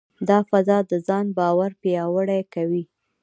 دا فضا د ځان باور پیاوړې کوي.